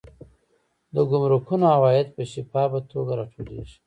د ګمرکونو عواید په شفافه توګه راټولیږي.